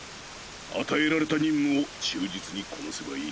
与えられた任務を忠実にこなせばいい。